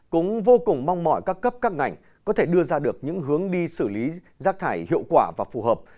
cũng vô cùng mong mỏi các cấp các ngành có thể đưa ra được những hướng đi xử lý rác thải hiệu quả và phù hợp